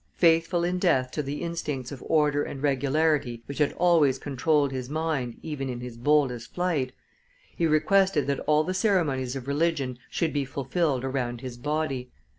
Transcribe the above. Faithful in death to the instincts of order and regularity which had always controlled his mind even in his boldest flight, he requested that all the ceremonies of religion should be fulfilled around his body.